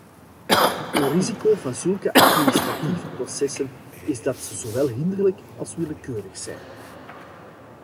Een risico van zulke administratieve processen is dat ze zowel hinderlijk als willekeurig zijn.